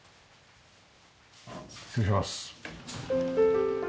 失礼します。